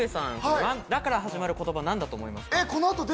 岡部さん、「ラ」から始まる言葉、何だと思いますか？